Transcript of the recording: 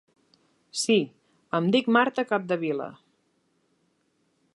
Sí, em dic Marta Capdevila.